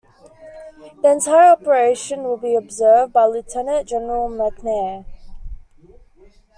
The entire operation would be observed by Lieutenant General McNair.